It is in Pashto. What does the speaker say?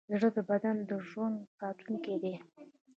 زړه د بدن د ژوند ساتونکی دی.